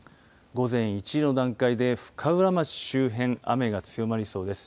午前１時の段階で深浦町周辺雨が強まりそうです。